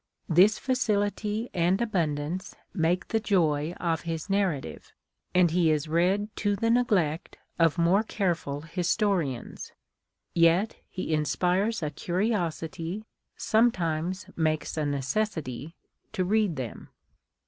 This facility and abun dance make the joy of his narrative, and he is read to tlie neglect cf more careful historians. Yet he inspires a curiosity, sometimes makes a necessity, to read them.